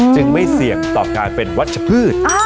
จึงไม่เสี่ยงต่อการเป็นวัชพืช